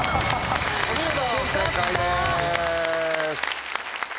お見事正解です。